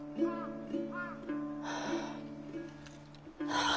はあ。